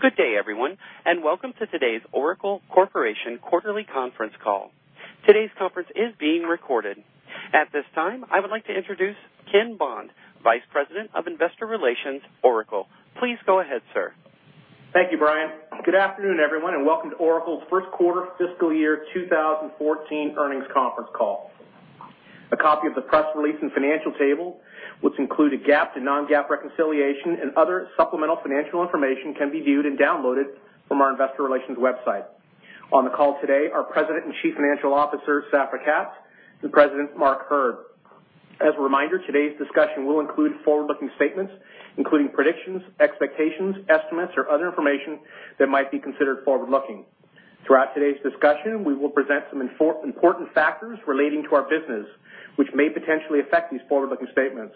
Good day, everyone. Welcome to today's Oracle Corporation quarterly conference call. Today's conference is being recorded. At this time, I would like to introduce Ken Bond, Vice President of Investor Relations, Oracle. Please go ahead, sir. Thank you, Brian. Good afternoon, everyone. Welcome to Oracle's first quarter fiscal year 2014 earnings conference call. A copy of the press release and financial table, which include a GAAP to non-GAAP reconciliation and other supplemental financial information, can be viewed and downloaded from our investor relations website. On the call today are President and Chief Financial Officer, Safra Catz, and President Mark Hurd. As a reminder, today's discussion will include forward-looking statements, including predictions, expectations, estimates, or other information that might be considered forward-looking. Throughout today's discussion, we will present some important factors relating to our business, which may potentially affect these forward-looking statements.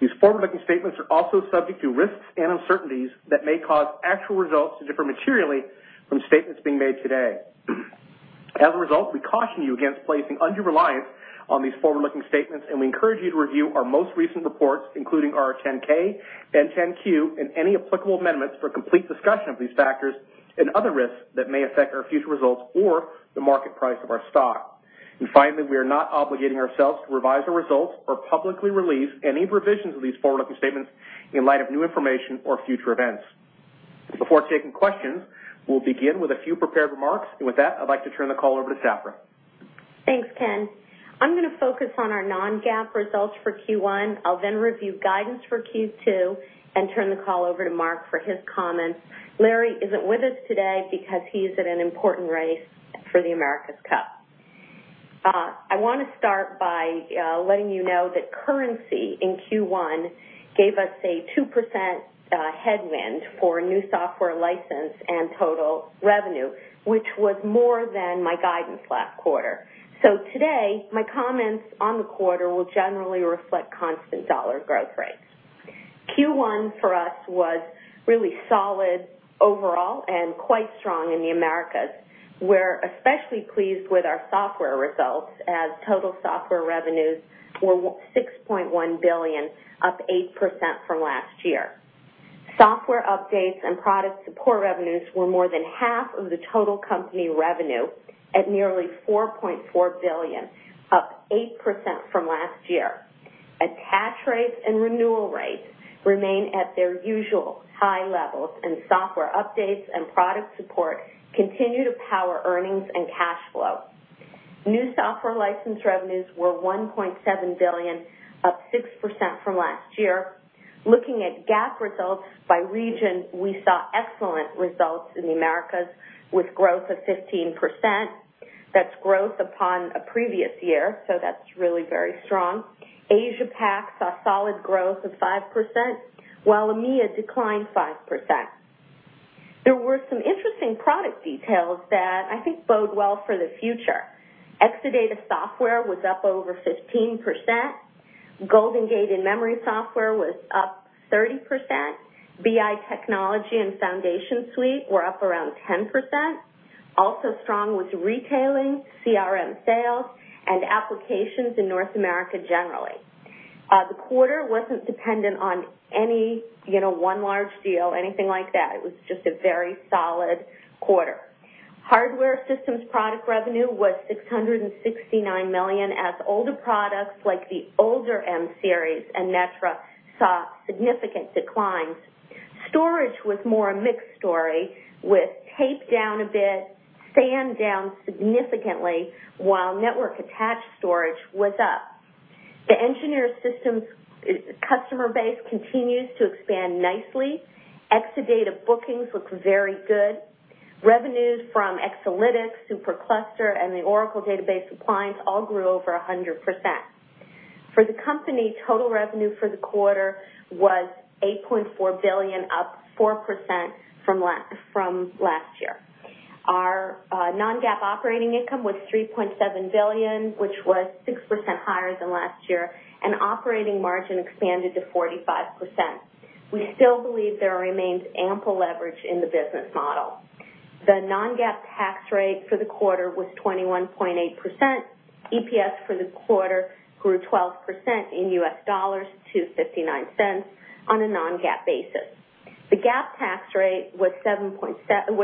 These forward-looking statements are also subject to risks and uncertainties that may cause actual results to differ materially from statements being made today. As a result, we caution you against placing undue reliance on these forward-looking statements. We encourage you to review our most recent reports, including our 10-K and 10-Q, and any applicable amendments for a complete discussion of these factors and other risks that may affect our future results or the market price of our stock. Finally, we are not obligating ourselves to revise our results or publicly release any revisions of these forward-looking statements in light of new information or future events. Before taking questions, we'll begin with a few prepared remarks. With that, I'd like to turn the call over to Safra. Thanks, Ken. I'm going to focus on our non-GAAP results for Q1. I'll then review guidance for Q2 and turn the call over to Mark for his comments. Larry isn't with us today because he's at an important race for the America's Cup. I want to start by letting you know that currency in Q1 gave us a 2% headwind for new software license and total revenue, which was more than my guidance last quarter. Today, my comments on the quarter will generally reflect constant dollar growth rates. Q1 for us was really solid overall and quite strong in the Americas. We're especially pleased with our software results as total software revenues were $6.1 billion, up 8% from last year. Software updates and product support revenues were more than half of the total company revenue at nearly $4.4 billion, up 8% from last year. Attach rates and renewal rates remain at their usual high levels. Software updates and product support continue to power earnings and cash flow. New software license revenues were $1.7 billion, up 6% from last year. Looking at GAAP results by region, we saw excellent results in the Americas with growth of 15%. That's growth upon a previous year, that's really very strong. Asia PAC saw solid growth of 5%, while EMEA declined 5%. There were some interesting product details that I think bode well for the future. Exadata software was up over 15%. GoldenGate in memory software was up 30%. BI technology and Foundation Suite were up around 10%. Also strong was retailing, CRM sales, and applications in North America generally. The quarter wasn't dependent on any one large deal, anything like that. It was just a very solid quarter. Hardware systems product revenue was $669 million as older products like the older M-Series and Netra saw significant declines. Storage was more a mixed story with tape down a bit, SAN down significantly, while network-attached storage was up. The engineered systems customer base continues to expand nicely. Exadata bookings looked very good. Revenues from Exalytics, SuperCluster, and the Oracle Database Appliance all grew over 100%. For the company, total revenue for the quarter was $8.4 billion, up 4% from last year. Our non-GAAP operating income was $3.7 billion, which was 6% higher than last year. Operating margin expanded to 45%. We still believe there remains ample leverage in the business model. The non-GAAP tax rate for the quarter was 21.8%. EPS for the quarter grew 12% in US dollars to $0.59 on a non-GAAP basis. The GAAP tax rate was 17.7%,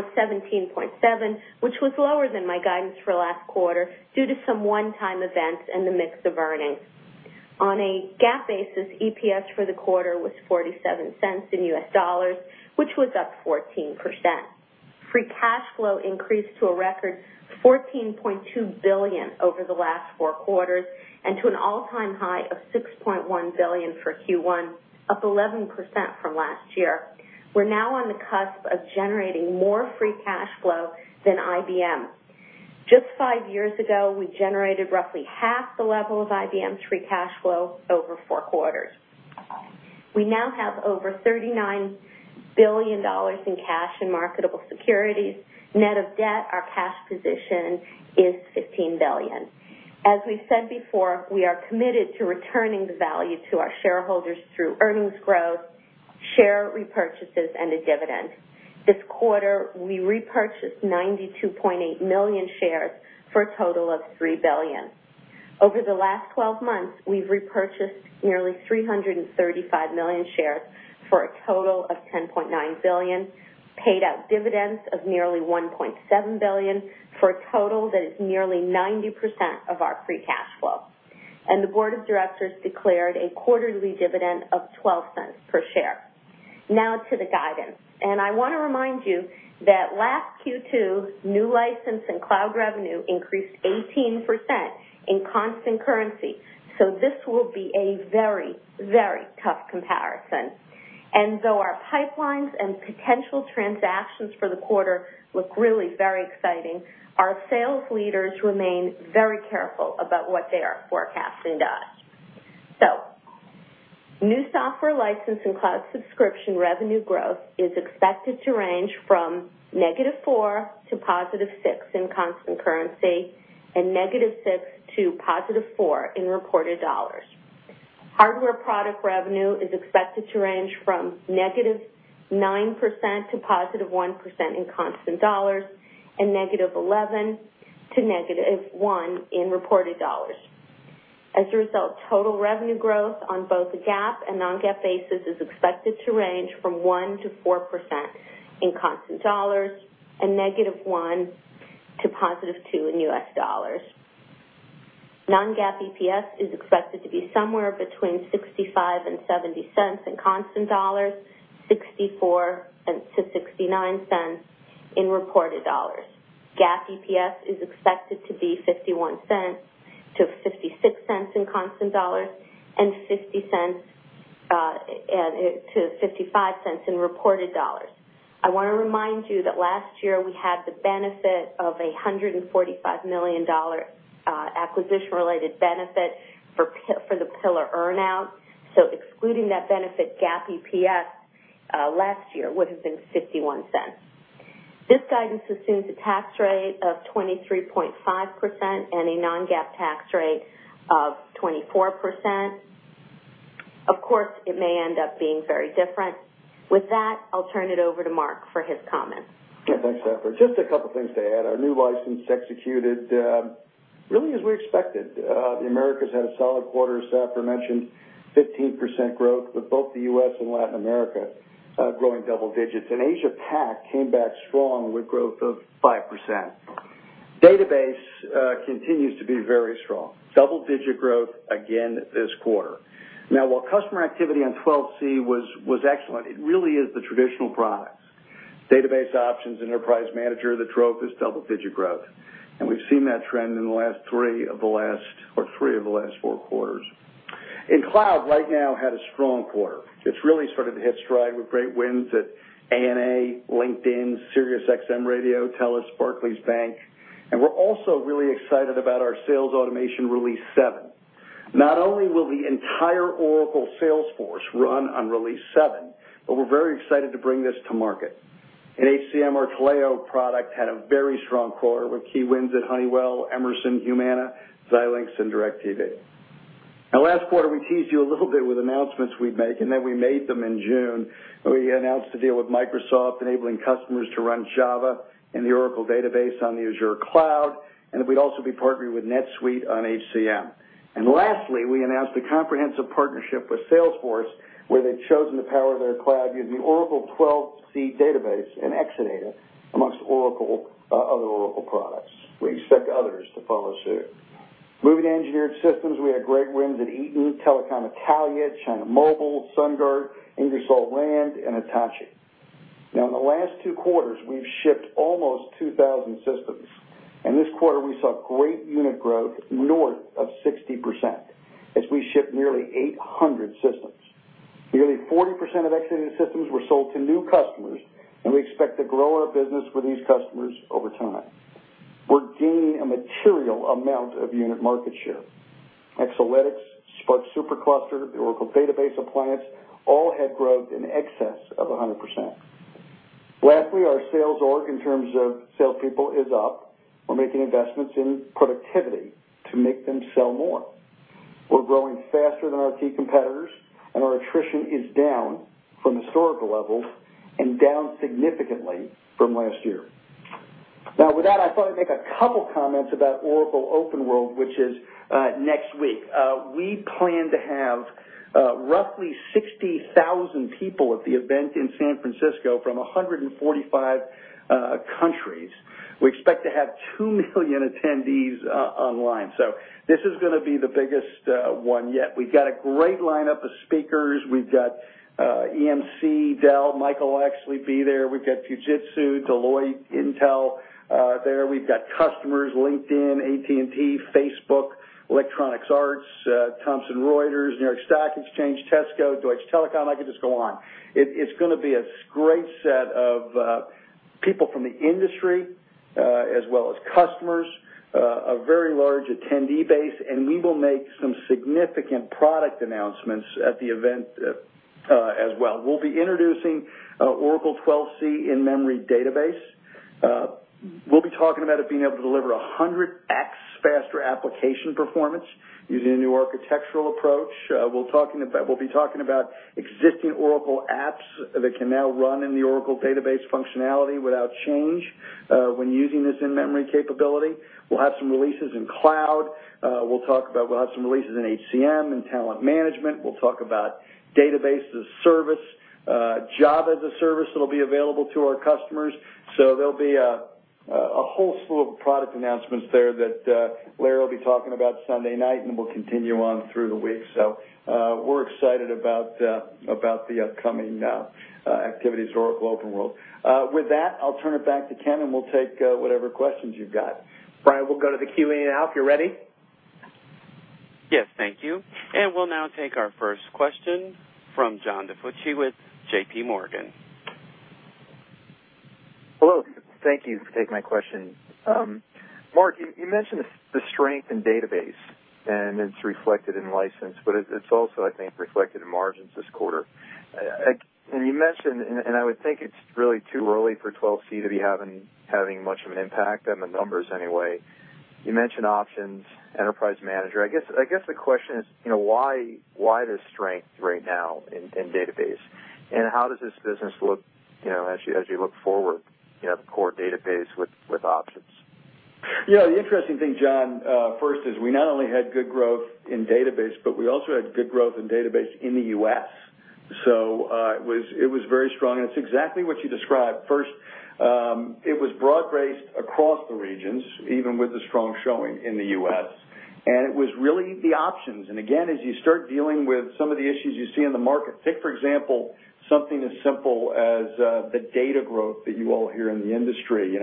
which was lower than my guidance for last quarter due to some one-time events and the mix of earnings. On a GAAP basis, EPS for the quarter was $0.47 in US dollars, which was up 14%. Free cash flow increased to a record $14.2 billion over the last four quarters and to an all-time high of $6.1 billion for Q1, up 11% from last year. We're now on the cusp of generating more free cash flow than IBM. Just five years ago, we generated roughly half the level of IBM's free cash flow over four quarters. We now have over $39 billion in cash and marketable securities. Net of debt, our cash position is $15 billion. As we've said before, we are committed to returning the value to our shareholders through earnings growth, share repurchases, and a dividend. This quarter, we repurchased 92.8 million shares for a total of $3 billion. Over the last 12 months, we've repurchased nearly 335 million shares for a total of $10.9 billion, paid out dividends of nearly $1.7 billion for a total that is nearly 90% of our free cash flow. The board of directors declared a quarterly dividend of $0.12 per share. Now to the guidance. I want to remind you that last Q2, new license and cloud revenue increased 18% in constant currency. This will be a very, very tough comparison. Though our pipelines and potential transactions for the quarter look really very exciting, our sales leaders remain very careful about what they are forecasting to us. New software license and cloud subscription revenue growth is expected to range from -4% to +6% in constant currency and -6% to +4% in reported dollars. Hardware product revenue is expected to range from -9% to +1% in constant dollars, and -11% to -1% in reported dollars. As a result, total revenue growth on both a GAAP and non-GAAP basis is expected to range from 1%-4% in constant dollars, and -1% to +2% in USD. Non-GAAP EPS is expected to be somewhere between $0.65-$0.70 in constant dollars, $0.64-$0.69 in reported dollars. GAAP EPS is expected to be $0.51-$0.56 in constant dollars and $0.50-$0.55 in reported dollars. I want to remind you that last year we had the benefit of a $145 million acquisition-related benefit for the Pillar earn-out, excluding that benefit, GAAP EPS last year would have been $0.51. This guidance assumes a tax rate of 23.5% and a non-GAAP tax rate of 24%. Of course, it may end up being very different. With that, I'll turn it over to Mark for his comments. Thanks, Safra. Just a couple of things to add. Our new license executed really as we expected. The Americas had a solid quarter. Safra mentioned 15% growth with both the U.S. and Latin America growing double digits. Asia-PAC came back strong with growth of 5%. Database continues to be very strong. Double-digit growth again this quarter. While customer activity on 12c was excellent, it really is the traditional products, Oracle Database Options, Oracle Enterprise Manager that drove this double-digit growth. We've seen that trend in three of the last four quarters. Cloud right now had a strong quarter. It's really sort of hit stride with great wins at ANA, LinkedIn, Sirius XM Radio, TELUS, Barclays Bank, we're also really excited about our sales automation Release 7. Not only will the entire Oracle sales force run on Release 7, but we're very excited to bring this to market. In HCM, our Oracle Taleo product had a very strong quarter with key wins at Honeywell, Emerson, Humana, Xilinx, and DirecTV. Last quarter, we teased you a little bit with announcements we'd make, then we made them in June, when we announced a deal with Microsoft enabling customers to run Java in the Oracle Database on the Microsoft Azure cloud, that we'd also be partnering with NetSuite on HCM. Lastly, we announced a comprehensive partnership with Salesforce, where they've chosen to power their cloud using the Oracle Database 12c and Exadata amongst other Oracle products. We expect others to follow suit. Moving to engineered systems, we had great wins at Eaton, Telecom Italia, China Mobile, SunGard, Ingersoll Rand, and Hitachi. Now in the last two quarters, we've shipped almost 2,000 systems. In this quarter, we saw great unit growth north of 60% as we shipped nearly 800 systems. Nearly 40% of Exadata systems were sold to new customers, and we expect to grow our business with these customers over time. We're gaining a material amount of unit market share. Exalytics, SPARC SuperCluster, the Oracle Database Appliance all had growth in excess of 100%. Lastly, our sales org in terms of salespeople is up. We're making investments in productivity to make them sell more. We're growing faster than our key competitors. Our attrition is down from historical levels and down significantly from last year. With that, I thought I'd make a couple comments about Oracle OpenWorld, which is next week. We plan to have roughly 60,000 people at the event in San Francisco from 145 countries. We expect to have two million attendees online. This is going to be the biggest one yet. We've got a great lineup of speakers. We've got EMC, Dell. Michael will actually be there. We've got Fujitsu, Deloitte, Intel there. We've got customers, LinkedIn, AT&T, Facebook, Electronic Arts, Thomson Reuters, New York Stock Exchange, Tesco, Deutsche Telekom. I could just go on. It's going to be a great set of people from the industry, as well as customers, a very large attendee base. We will make some significant product announcements at the event as well. We'll be introducing Oracle Database 12c In-Memory. We'll be talking about it being able to deliver 100x faster application performance using a new architectural approach. We'll be talking about existing Oracle apps that can now run in the Oracle database functionality without change when using this in-memory capability. We'll have some releases in cloud. We'll have some releases in HCM and talent management. We'll talk about Database as a Service, Oracle Java Cloud Service that'll be available to our customers. There'll be a whole slew of product announcements there that Larry will be talking about Sunday night, and we'll continue on through the week. We're excited about the upcoming activities, Oracle OpenWorld. With that, I'll turn it back to Ken, and we'll take whatever questions you've got. Brian, we'll go to the QA now if you're ready. Yes, thank you. We'll now take our first question from John DiFucci with J.P. Morgan. Hello. Thank you for taking my question. Mark, you mentioned the strength in database, and it's reflected in license, but it's also, I think, reflected in margins this quarter. You mentioned, and I would think it's really too early for 12c to be having much of an impact on the numbers anyway. You mentioned Options Enterprise Manager. I guess the question is why this strength right now in database, and how does this business look as you look forward, the core database with Options? Yeah. The interesting thing, John, first is we not only had good growth in database, but we also had good growth in database in the U.S. It was very strong, and it's exactly what you described. First, it was broad-based across the regions, even with the strong showing in the U.S., and it was really the Options. Again, as you start dealing with some of the issues you see in the market, take, for example, something as simple as the data growth that you all hear in the industry,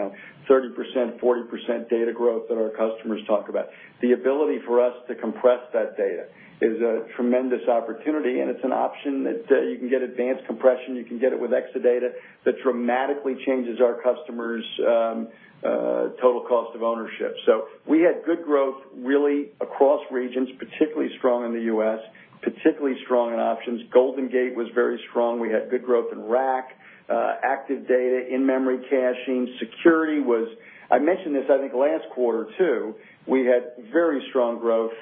30%-40% data growth that our customers talk about. The ability for us to compress that data is a tremendous opportunity, and it's an option that you can get advanced compression, you can get it with Exadata, that dramatically changes our customers' total cost of ownership. We had good growth really across regions, particularly strong in the U.S., particularly strong in Options. GoldenGate was very strong. We had good growth in RAC, Active Data, in-memory caching. Security. I mentioned this, I think, last quarter, too. We had very strong growth,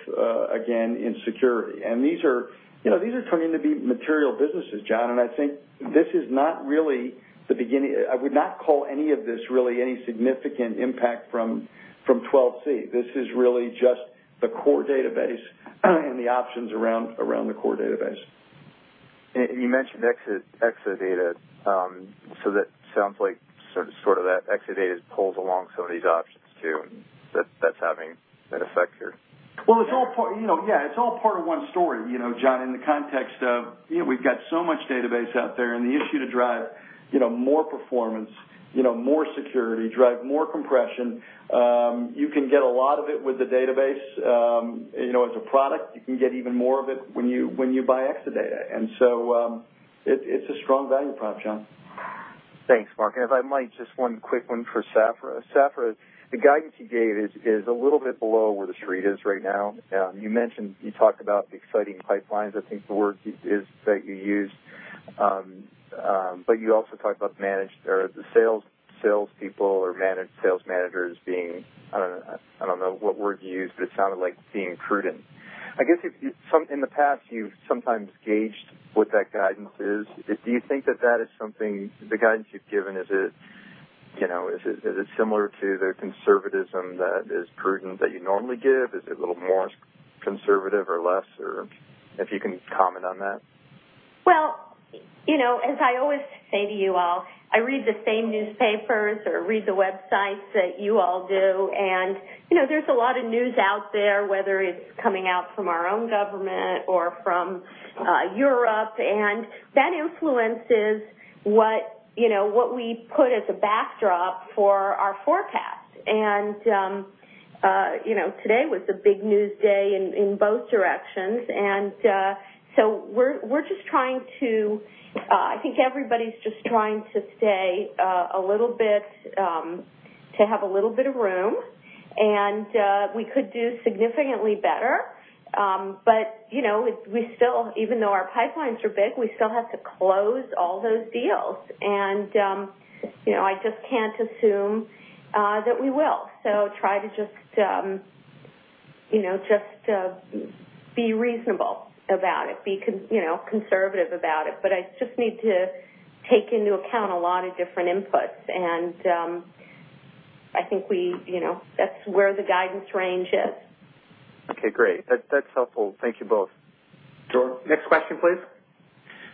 again, in security. These are turning to be material businesses, John. I think this is not really the beginning. I would not call any of this really any significant impact from 12c. This is really just the core database and the options around the core database. You mentioned Exadata. That sounds like sort of that Exadata pulls along some of these options too, and that's having an effect here. Well, it's all part of one story, John, in the context of we've got so much database out there and the issue to drive more performance, more security, drive more compression. You can get a lot of it with the database as a product. You can get even more of it when you buy Exadata. It's a strong value prop, John. Thanks, Mark. If I might, just one quick one for Safra. Safra, the guidance you gave is a little bit below where the street is right now. You talked about the exciting pipelines, I think the word is that you used. You also talked about the salespeople or sales managers being, I don't know what word you used, but it sounded like being prudent. I guess in the past, you've sometimes gauged what that guidance is. Do you think that that is something, the guidance you've given, is it similar to the conservatism that is prudent that you normally give? Is it a little more conservative or less, or if you can comment on that? Well, as I always say to you all, I read the same newspapers or read the websites that you all do. There's a lot of news out there, whether it's coming out from our own government or from Europe, and that influences what we put as a backdrop for our forecast. Today was a big news day in both directions. We're just trying to, I think everybody's just trying to stay a little bit, to have a little bit of room. We could do significantly better, we still, even though our pipelines are big, we still have to close all those deals. I just can't assume that we will. Try to just be reasonable about it, be conservative about it. I just need to take into account a lot of different inputs. I think that's where the guidance range is. Okay, great. That's helpful. Thank you both. Sure. Next question, please.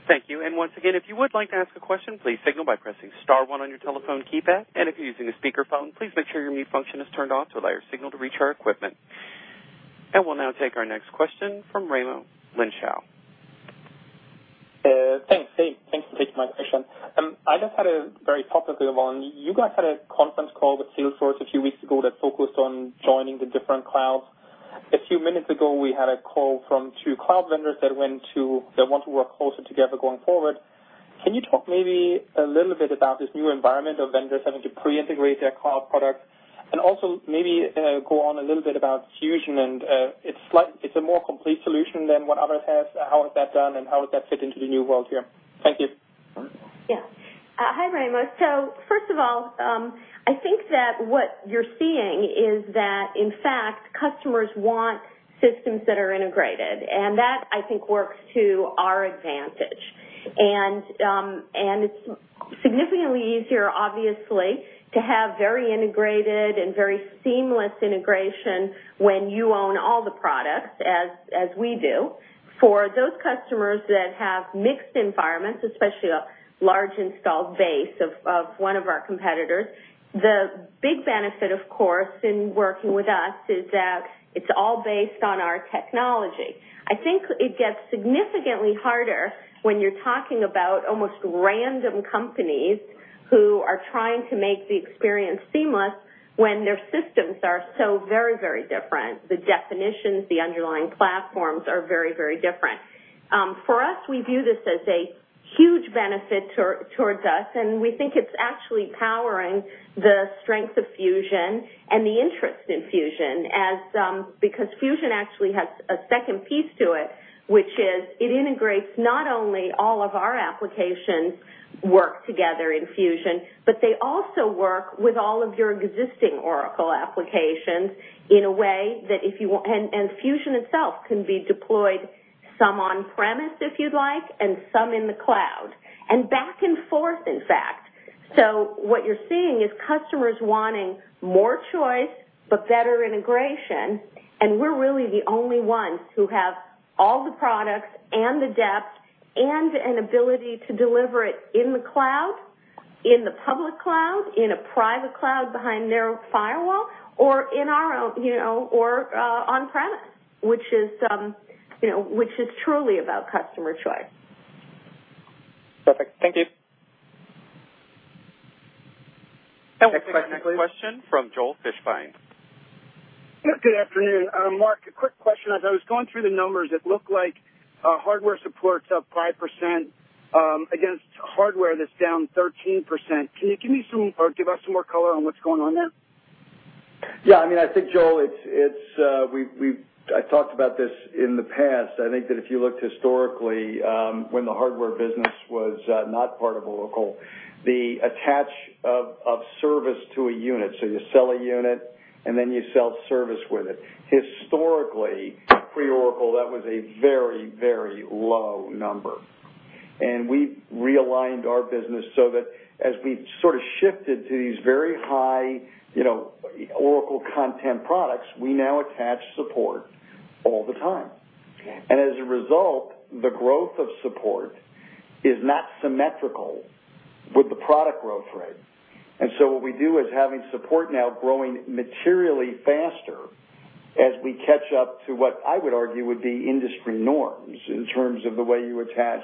Thank you. Once again, if you would like to ask a question, please signal by pressing star one on your telephone keypad. If you're using a speakerphone, please make sure your mute function is turned off to allow your signal to reach our equipment. We'll now take our next question from Raimo Lenschow. Thanks. Hey, thanks for taking my question. I just had a very top-of-the-line. You guys had a conference call with Salesforce a few weeks ago that focused on joining the different clouds. A few minutes ago, we had a call from two cloud vendors that want to work closer together going forward. Can you talk maybe a little bit about this new environment of vendors having to pre-integrate their cloud product, and also maybe go on a little bit about Fusion and it's a more complete solution than what others have. How is that done, and how would that fit into the new world here? Thank you. Yeah. Hi, Raimo. First of all, I think that what you're seeing is that, in fact, customers want systems that are integrated, and that, I think, works to our advantage. It's significantly easier, obviously, to have very integrated and very seamless integration when you own all the products as we do. For those customers that have mixed environments, especially a large installed base of one of our competitors, the big benefit, of course, in working with us is that it's all based on our technology. I think it gets significantly harder when you're talking about almost random companies who are trying to make the experience seamless when their systems are so very different. The definitions, the underlying platforms are very different. For us, we view this as a huge benefit towards us, and we think it's actually powering the strength of Fusion and the interest in Fusion. Because Fusion actually has a second piece to it, which is it integrates not only all of our applications work together in Fusion, but they also work with all of your existing Oracle applications in a way that Fusion itself can be deployed some on-premise if you'd like, and some in the cloud, and back and forth, in fact. What you're seeing is customers wanting more choice, but better integration, and we're really the only ones who have all the products and the depth and an ability to deliver it in the cloud, in the public cloud, in a private cloud behind their firewall, or in our own, or on-premise, which is truly about customer choice. Perfect. Thank you. Next question, please. Our next question from Joel Fishbein. Good afternoon. Mark, a quick question. As I was going through the numbers, it looked like hardware support's up 5% against hardware that's down 13%. Can you give us some more color on what's going on there? Yeah, I think Joel, I talked about this in the past. I think that if you looked historically, when the hardware business was not part of Oracle, the attach of service to a unit, so you sell a unit, then you sell service with it. Historically, pre-Oracle, that was a very low number. We've realigned our business so that as we sort of shifted to these very high Oracle content products, we now attach support all the time. Okay. As a result, the growth of support is not symmetrical with the product growth rate. What we do is having support now growing materially faster as we catch up to what I would argue would be industry norms in terms of the way you attach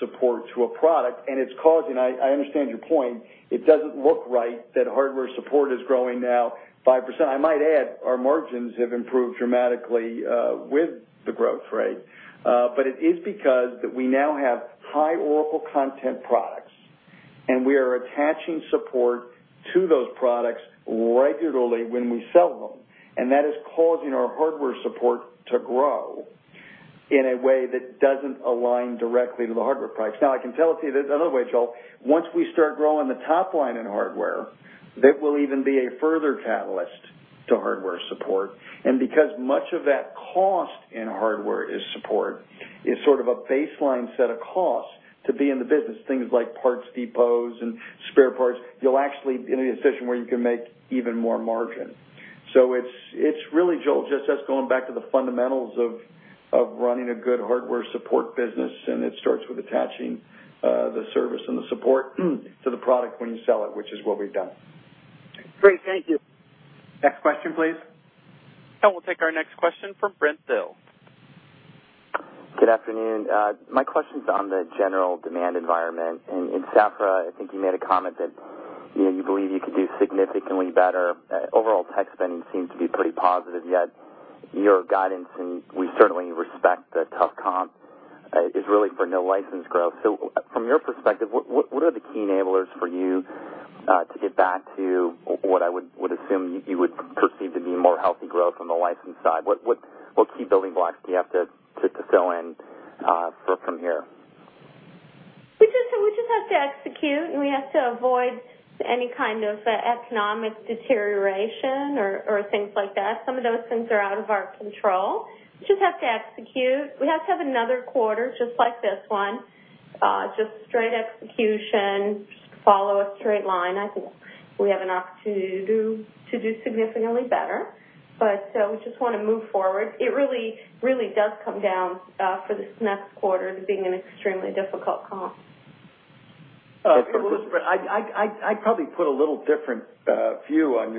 support to a product, and it's causing. I understand your point. It doesn't look right that hardware support is growing now 5%. I might add, our margins have improved dramatically with the growth rate. It is because we now have high Oracle content products, and we are attaching support to those products regularly when we sell them. That is causing our hardware support to grow in a way that doesn't align directly to the hardware price. Now, I can tell it to you this other way, Joel. Once we start growing the top line in hardware, that will even be a further catalyst to hardware support. Because much of that cost in hardware is support, is sort of a baseline set of costs to be in the business, things like parts depots and spare parts, you'll actually be in a position where you can make even more margin. It's really, Joel, just us going back to the fundamentals of running a good hardware support business, and it starts with attaching the service and the support to the product when you sell it, which is what we've done. Great. Thank you. Next question, please. Now we'll take our next question from Brent Thill. Good afternoon. My question's on the general demand environment. Safra, I think you made a comment that you believe you could do significantly better. Overall tech spending seems to be pretty positive, yet your guidance, and we certainly respect the tough comp, is really for no license growth. From your perspective, what are the key enablers for you to get back to what I would assume you would perceive to be more healthy growth on the license side? What key building blocks do you have to fill in from here? We just have to execute, and we have to avoid any kind of economic deterioration or things like that. Some of those things are out of our control. We just have to execute. We have to have another quarter just like this one, just straight execution, just follow a straight line. I think we have an opportunity to do significantly better. We just want to move forward. It really does come down for this next quarter to being an extremely difficult comp. Brent, I'd probably put a little different view on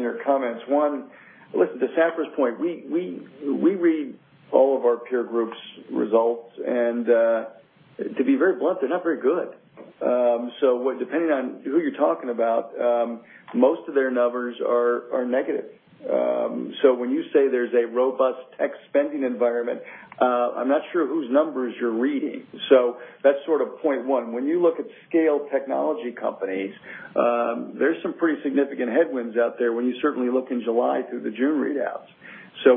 your comments. One, listen to Safra's point. We read all of our peer groups' results, and to be very blunt, they're not very good. Depending on who you're talking about, most of their numbers are negative. When you say there's a robust tech spending environment, I'm not sure whose numbers you're reading. That's point one. When you look at scale technology companies, there's some pretty significant headwinds out there when you certainly look in July through the June readouts.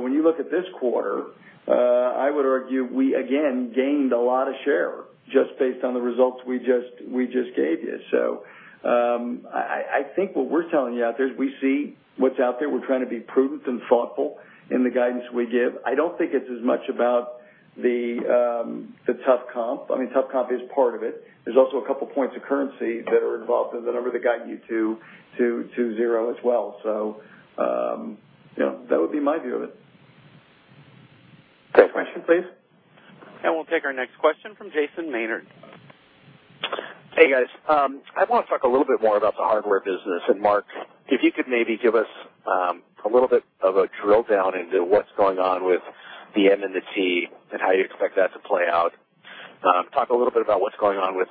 When you look at this quarter, I would argue we again gained a lot of share just based on the results we just gave you. I think what we're telling you out there is we see what's out there. We're trying to be prudent and thoughtful in the guidance we give. I don't think it's as much about the tough comp. I mean, tough comp is part of it. There's also a couple points of currency that are involved in the number that got you to zero as well. That would be my view of it. Next question, please. We'll take our next question from Jason Maynard. Hey, guys. I want to talk a little bit more about the hardware business. Mark, if you could maybe give us a little bit of a drill down into what's going on with the M and the T and how you expect that to play out. Talk a little bit about what's going on with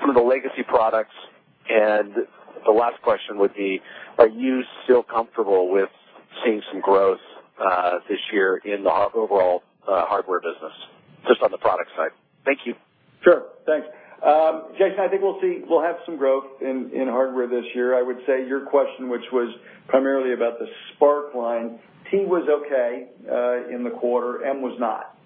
some of the legacy products. The last question would be, are you still comfortable with seeing some growth this year in the overall hardware business, just on the product side? Thank you. Sure. Thanks. Jason, I think we'll have some growth in hardware this year. I would say your question, which was primarily about the SPARC line, T was okay in the quarter, M was not.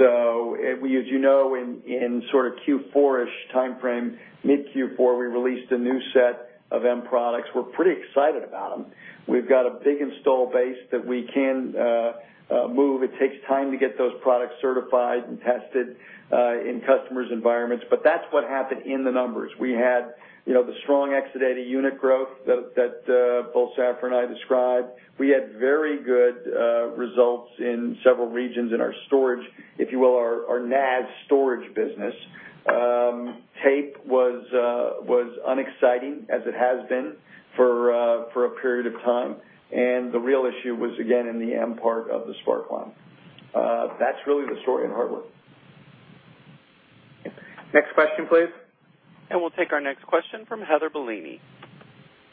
As you know, in Q4-ish timeframe, mid-Q4, we released a new set of M products. We're pretty excited about them. We've got a big install base that we can move. It takes time to get those products certified and tested in customers' environments. That's what happened in the numbers. We had the strong Exadata unit growth that both Safra and I described. We had very good results in several regions in our storage, if you will, our NAS storage business. Tape was unexciting as it has been for a period of time, the real issue was, again, in the M part of the SPARC line. That's really the story in hardware. Next question, please. We'll take our next question from Heather Bellini.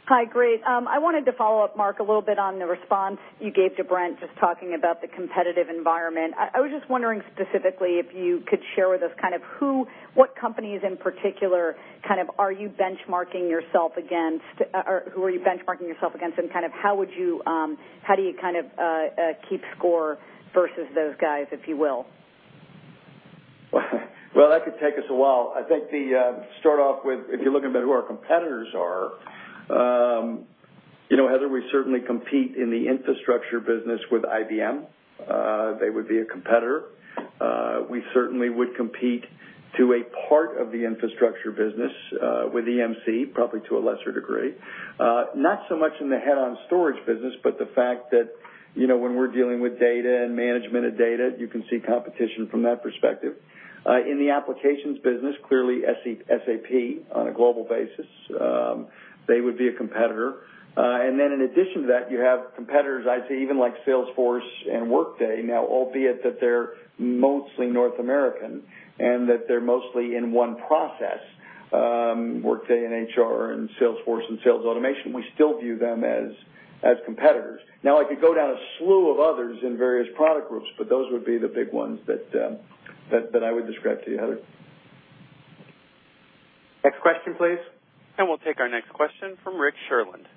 Hi. Great. I wanted to follow up, Mark, a little bit on the response you gave to Brent, just talking about the competitive environment. I was just wondering specifically if you could share with us what companies in particular are you benchmarking yourself against, or who are you benchmarking yourself against, and how do you keep score versus those guys, if you will? Well, that could take us a while. I think to start off with, if you're looking at who our competitors are, Heather, we certainly compete in the infrastructure business with IBM. They would be a competitor. We certainly would compete to a part of the infrastructure business with EMC, probably to a lesser degree. Not so much in the head-on storage business, but the fact that when we're dealing with data and management of data, you can see competition from that perspective. In the applications business, clearly SAP on a global basis. They would be a competitor. Then in addition to that, you have competitors, I'd say even like Salesforce and Workday now, albeit that they're mostly North American and that they're mostly in one process. Workday in HR and Salesforce in sales automation, we still view them as competitors. I could go down a slew of others in various product groups, but those would be the big ones that I would describe to you, Heather. Next question, please. We'll take our next question from Rick Sherlund.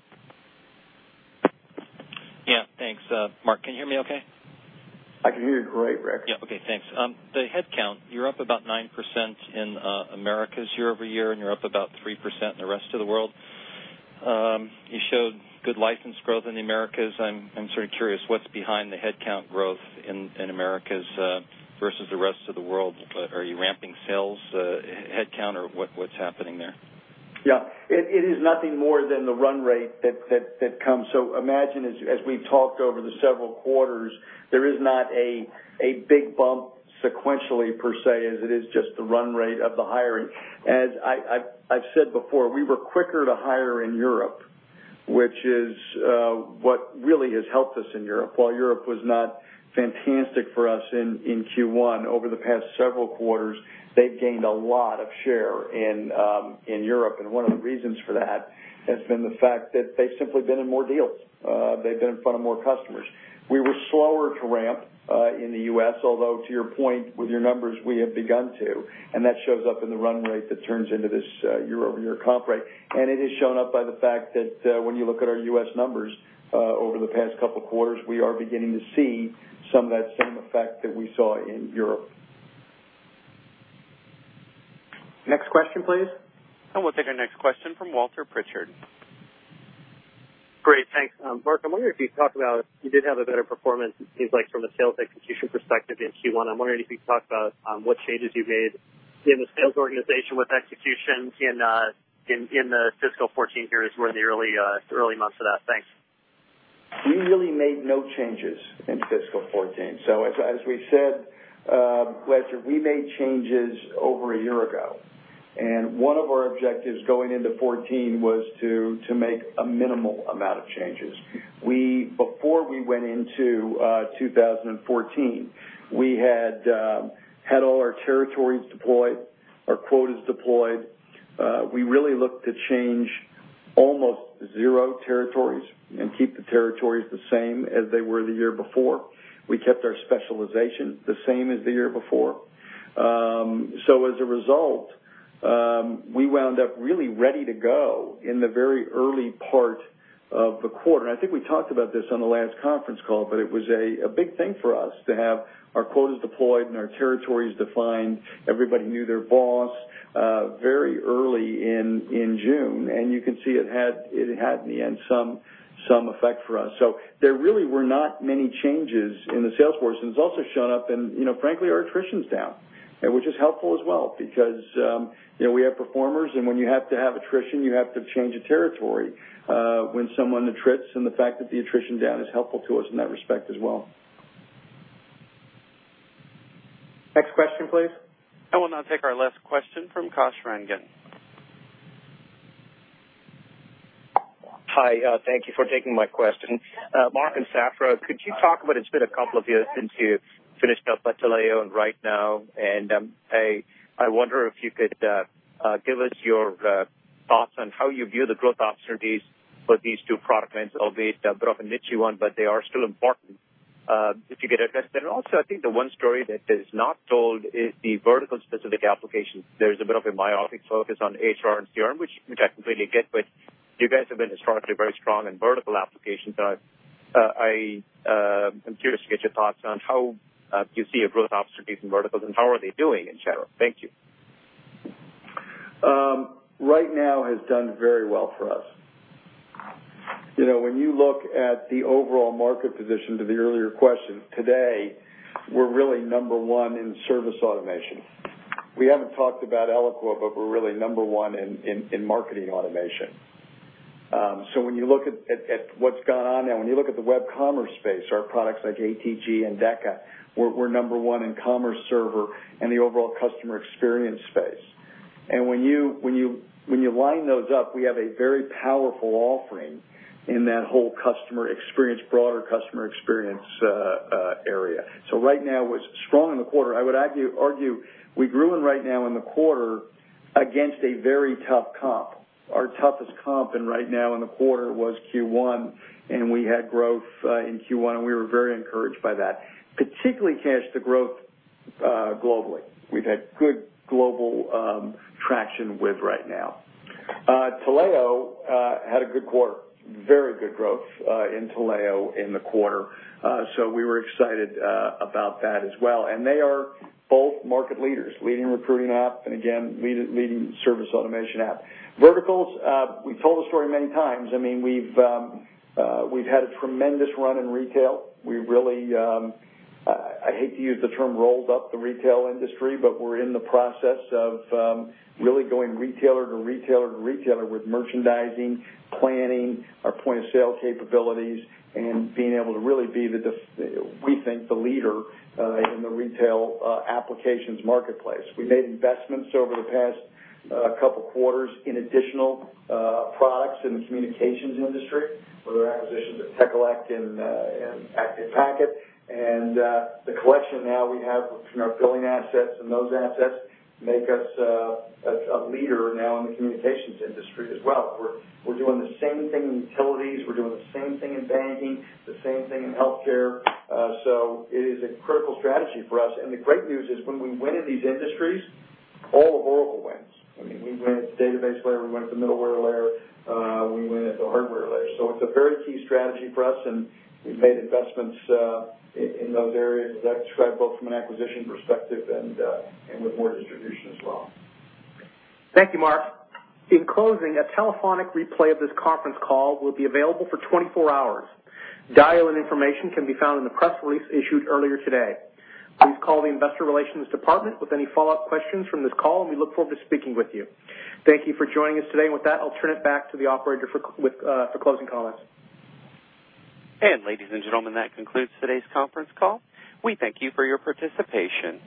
Yeah, thanks. Mark, can you hear me okay? I can hear you great, Rick. Yeah. Okay, thanks. The headcount, you're up about 9% in Americas year-over-year, and you're up about 3% in the rest of the world. You showed good license growth in the Americas. I'm sort of curious what's behind the headcount growth in Americas versus the rest of the world. Are you ramping sales headcount, or what's happening there? Yeah. It is nothing more than the run rate that comes. Imagine, as we've talked over the several quarters, there is not a big bump sequentially per se, as it is just the run rate of the hiring. As I've said before, we were quicker to hire in Europe, which is what really has helped us in Europe. While Europe was not fantastic for us in Q1, over the past several quarters, they've gained a lot of share in Europe, and one of the reasons for that has been the fact that they've simply been in more deals. They've been in front of more customers. We were slower to ramp in the U.S., although to your point with your numbers, we have begun to, and that shows up in the run rate that turns into this year-over-year comp rate. It is shown up by the fact that when you look at our U.S. numbers over the past couple of quarters, we are beginning to see some of that same effect that we saw in Europe. Next question, please. We'll take our next question from Walter Pritchard. Great, thanks. Mark, I'm wondering if you'd talk about, you did have a better performance, it seems like from a sales execution perspective in Q1. I'm wondering if you can talk about what changes you made in the sales organization with execution in the fiscal 2014 here as we're in the early months of that. Thanks. We really made no changes in fiscal 2014. As we've said, Walter, we made changes over a year ago, and one of our objectives going into 2014 was to make a minimal amount of changes. Before we went into 2014, we had all our territories deployed, our quotas deployed. We really looked to change almost zero territories and keep the territories the same as they were the year before. We kept our specialization the same as the year before. As a result, we wound up really ready to go in the very early part of the quarter. I think we talked about this on the last conference call, but it was a big thing for us to have our quotas deployed and our territories defined. Everybody knew their boss very early in June, you can see it had, in the end, some effect for us. There really were not many changes in the sales force, and it's also shown up in, frankly, our attrition's down, which is helpful as well because we have performers, and when you have to have attrition, you have to change a territory when someone attrits, and the fact that the attrition down is helpful to us in that respect as well. Next question, please. I will now take our last question from Kash Rangan. Hi, thank you for taking my question. Mark and Safra, could you talk about, it's been a couple of years since you finished up Taleo and RightNow, and I wonder if you could give us your thoughts on how you view the growth opportunities for these two product lines, albeit a bit of a niche one, but they are still important if you could address that. Also, I think the one story that is not told is the vertical-specific applications. There's a bit of a myopic focus on HR and CRM, which I completely get, but you guys have been historically very strong in vertical applications. I am curious to get your thoughts on how you see growth opportunities in verticals and how are they doing in general. Thank you. RightNow has done very well for us. When you look at the overall market position to the earlier question, today, we're really number one in service automation. We haven't talked about Eloqua, but we're really number one in marketing automation. When you look at what's gone on now, when you look at the web commerce space, our products like ATG and Endeca, we're number one in commerce server and the overall customer experience space. When you line those up, we have a very powerful offering in that whole customer experience, broader customer experience area. RightNow was strong in the quarter. I would argue, we grew in RightNow in the quarter against a very tough comp. Our toughest comp in RightNow in the quarter was Q1, and we had growth in Q1, and we were very encouraged by that, particularly, Kash, the growth globally. We've had good global traction with RightNow. Taleo had a good quarter. Very good growth in Taleo in the quarter. We were excited about that as well. They are both market leaders, leading recruiting app, and again, leading service automation app. Verticals, we've told the story many times. We really, I hate to use the term rolled up the retail industry, but we're in the process of really going retailer to retailer to retailer with merchandising, planning, our point-of-sale capabilities, and being able to really be the, we think, the leader in the retail applications marketplace. We made investments over the past couple of quarters in additional products in the communications industry with our acquisitions at Tekelec and Acme Packet, and the collection now we have between our billing assets and those assets make us a leader now in the communications industry as well. We're doing the same thing in utilities. We're doing the same thing in banking, the same thing in healthcare. It is a critical strategy for us. The great news is when we win in these industries, all of Oracle wins. We win at the database layer, we win at the middleware layer, we win at the hardware layer. It's a very key strategy for us, and we've made investments in those areas, as I described, both from an acquisition perspective and with more distribution as well. Thank you, Mark. In closing, a telephonic replay of this conference call will be available for 24 hours. Dial-in information can be found in the press release issued earlier today. Please call the investor relations department with any follow-up questions from this call, and we look forward to speaking with you. Thank you for joining us today. With that, I'll turn it back to the operator for closing comments. Ladies and gentlemen, that concludes today's conference call. We thank you for your participation.